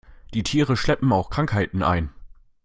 Die Tiere schleppen auch Krankheiten ein.